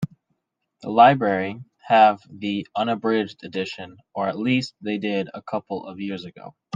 The library have the unabridged edition, or at least they did a couple of years ago.